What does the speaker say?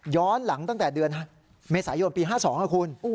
ย้อนหลังตั้งแต่เดือนเมษายนปี๕๒ครับคุณ